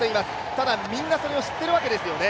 ただみんなそれを知ってるわけですよね。